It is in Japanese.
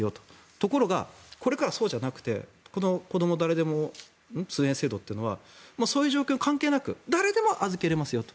ところがこれからはそうじゃなくてこのこども誰でも通園制度というのはそういう状況関係なく誰でも預けられますよと。